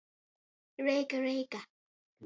Reiga, Reiga.